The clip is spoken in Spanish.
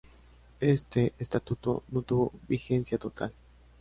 Este estatuto no tuvo vigencia total.